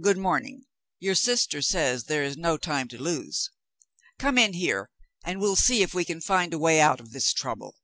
"Good morning. Your sister says there is no time to lose. Come in here, and we'll see if we can find a way out of this trouble."